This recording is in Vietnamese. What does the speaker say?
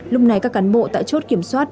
lúc này các cán bộ tại chốt kiểm soát